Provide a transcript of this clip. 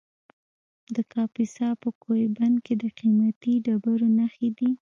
د کاپیسا په کوه بند کې د قیمتي ډبرو نښې دي.